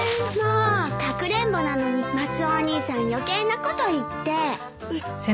もうかくれんぼなのにマスオお兄さん余計なこと言って。